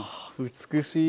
美しい。